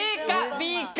Ｂか？